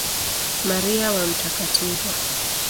Maria wa Mt.